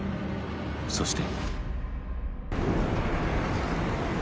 そして。